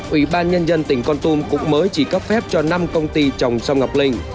ủy ban nhân dân tỉnh con tum cũng mới chỉ cấp phép cho năm công ty trồng sâm ngọc linh